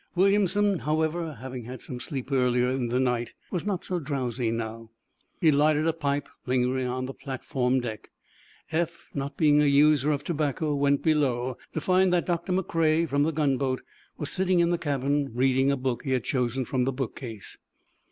Williamson, however, having had some sleep earlier in the night, was not drowsy, now. He lighted a pipe, lingering on the platform deck. Eph, not being a user of tobacco, went below to find that Doctor McCrea, from the gunboat, was sitting in the cabin, reading a book he had chosen from the book case.